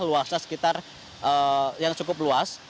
luasnya sekitar yang cukup luas